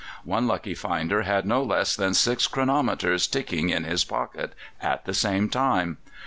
One lucky finder had no less than six chronometers ticking in his pocket at the same time.